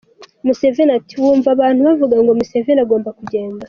Museveni ati : “wumva abantu bavuga ngo Museveni agomba kugenda”.